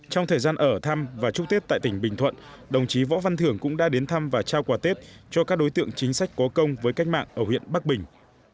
trong thời gian ở thăm và chúc tết tại tỉnh bình thuận đồng chí võ văn thưởng cũng đã đến thăm và trao quà tết cho các đối tượng chính sách có công với cách mạng ở huyện bắc bình